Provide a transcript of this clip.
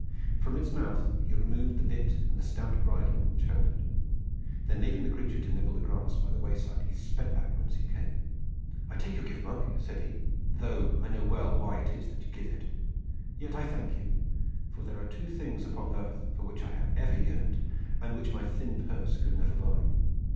From its mouth he removed the bit and the stout bridle which held it. Then leaving the creature to nibble the grass by the wayside he sped back whence he came. "I take your gift, monk," said he, "though I know well why it is that you give it. Yet I thank you, for there are two things upon earth for which I have ever yearned, and which my thin purse could never buy.